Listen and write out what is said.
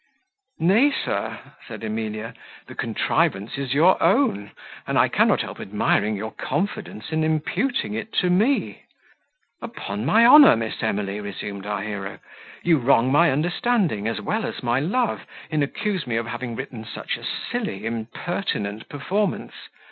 "Nay, sir," said Emilia, "the contrivance is your own; and I cannot help admiring your confidence in imputing it to me." "Upon my honour, Miss Emily, resumed our hero, "you wrong my understanding, as well as my love, in accusing me of having written such a silly, impertinent performance.